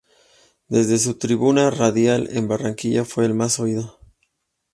Desde su tribuna radial en Barranquilla fue el más oído.